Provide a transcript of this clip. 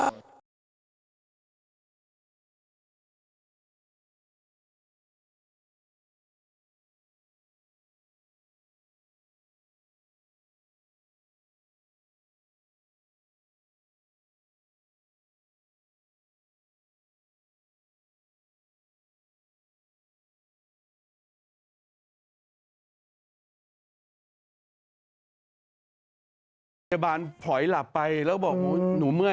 การการเลือก